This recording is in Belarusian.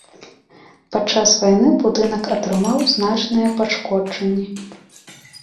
Падчас вайны будынак атрымаў значныя пашкоджанні.